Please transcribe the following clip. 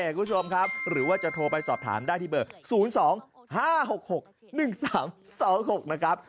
คุณผู้ชมครับหรือว่าจะโทรไปสอบถามได้ที่เบอร์๐๒๕๖๖๑๓๒๖นะครับ